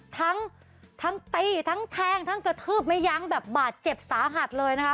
ทั้งทั้งตีทั้งแทงทั้งกระทืบไม่ยั้งแบบบาดเจ็บสาหัสเลยนะคะ